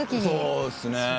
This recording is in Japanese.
そうっすね。